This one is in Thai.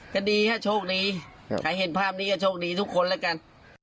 ก็ดีฮะโชคดีใครเห็นภาพนี้ก็โชคดีทุกคนแล้วกัน